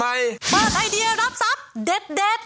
เปิดไอเดียรับทรัพย์เด็ด